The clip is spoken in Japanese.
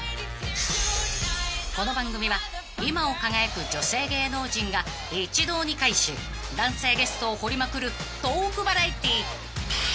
［この番組は今を輝く女性芸能人が一堂に会し男性ゲストを掘りまくるトークバラエティー］